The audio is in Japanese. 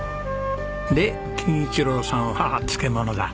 で金一郎さんは漬物だ。